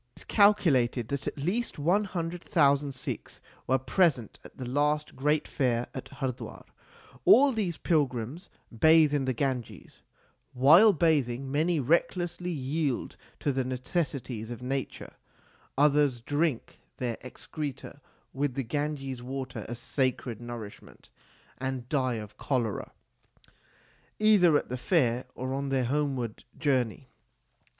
It is calculated that at least one hundred thousand Sikhs were present at the last great fair at Hardwar. All these pilgrims bathe in the Ganges ; while bathing many recklessly yield to the necessities of nature ; others drink their excreta with the Ganges water as sacred nourish ment, and die of cholera either at the fair or on their homeward journey.